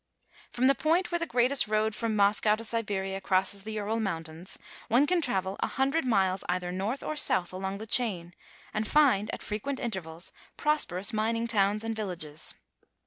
From the point where the great road from Mos cow to Siberia crosses the Ural mountains one can travel a hundred miles either north or south along the chain, and find at frequent intervals prosper ous mining towns and villages.